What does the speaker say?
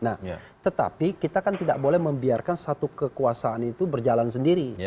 nah tetapi kita kan tidak boleh membiarkan satu kekuasaan itu berjalan sendiri